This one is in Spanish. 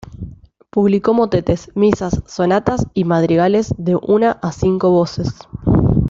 Publicó motetes, misas, sonatas y madrigales de una a cinco voces.